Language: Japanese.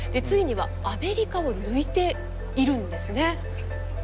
ついにはアメリカを抜いているんですね。